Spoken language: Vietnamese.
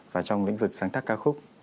và trong lĩnh vực sáng tác ca khúc